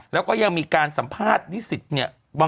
แล้วก็ยังมีการสัมภาษณ์นิสิตเนี่ย